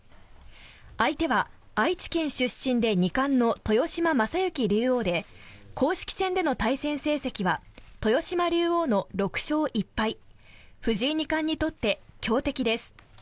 相手は愛知県出身で二冠の豊島将之竜王で公式戦での対戦成績は豊島竜王の６勝１敗藤井二冠にとって強敵です。